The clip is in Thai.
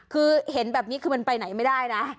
คือเห็นแบบนี้คือมันไปไหนไม่ได้นะ